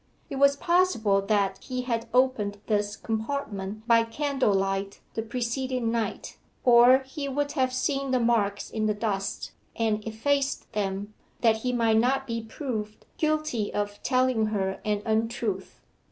It was possible that he had opened this compartment by candlelight the preceding night, or he would have seen the marks in the dust, and effaced them, that he might not be proved guilty of telling her an untruth.